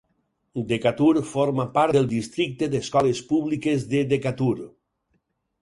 Decatur forma part del districte d'Escoles Públiques de Decatur.